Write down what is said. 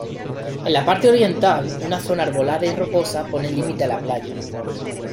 En la parte oriental, una zona arbolada y rocosa pone límite a la playa.